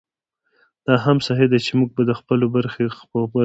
دا هم صحي ده چې موږ به د خپلې برخې خبره کوو.